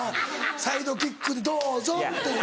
サイドキックで「どうぞ」っていう。